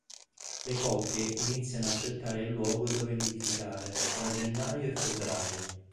Le coppie iniziano a cercare il luogo dove nidificare tra gennaio e febbraio.